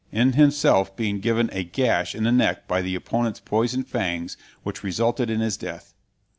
in himself being given a gash in the neck by his opponent's poisoned fangs which resulted in his death.